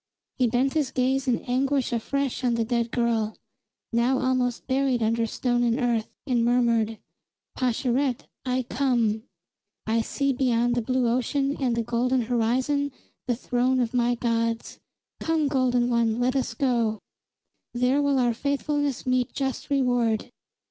He bent his gaze in anguish afresh on the dead girl, now almost buried under stone and earth, and murmured: "Pascherette, I come! I see beyond the blue ocean and the golden horizon the throne of my gods. Come, golden one, let us go. There will our faithfulness meet just reward!"